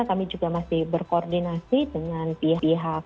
kami juga masih berkoordinasi dengan pihak pihak